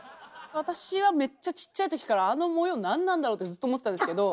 私はめっちゃちっちゃい時からあの模様何なんだろうってずっと思ってたんですけど。